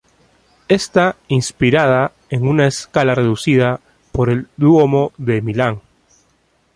Está inspirada, en una escala reducida, por el Duomo de Milán.